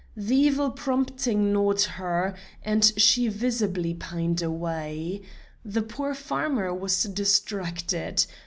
The evil prompting gnawed her, and she visibly pined away. The poor farmer was distracted.